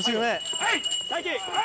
はい。